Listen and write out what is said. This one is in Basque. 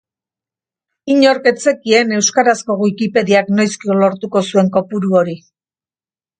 Inork ez zekien euskarazko Wikipediak noizko lortuko zuen kopuru hori.